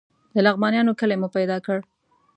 د لغمانیانو کلی مو پیدا کړ.